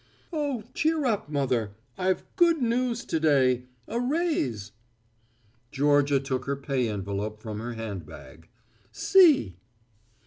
"Oh, cheer up, mother. I've good news to day a raise." Georgia took her pay envelope from her handbag. "See!"